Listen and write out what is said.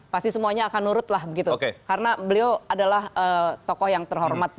pasti semuanya akan nurutlah karena beliau adalah tokoh yang terhormat